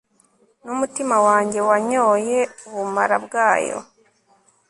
n'umutima wanjye wanyoye ubumara bwayo